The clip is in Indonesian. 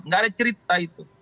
tidak ada cerita itu